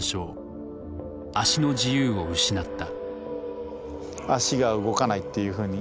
足の自由を失った。